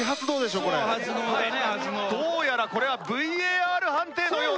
どうやらこれはＶＡＲ判定のようです。